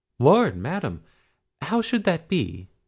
"Lord, Madam! how should that be?"